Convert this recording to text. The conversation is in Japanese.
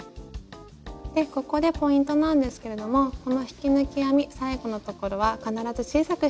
ここでポイントなんですけれどもこの引き抜き編み最後のところは必ず小さくして下さい。